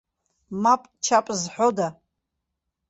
Мап-чап зҳәода.